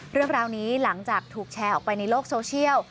เรื่องราวนี้หลังจากถูกแชร์ออกไปในโลกโซเชียล